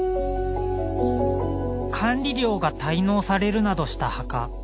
管理料が滞納されるなどした墓。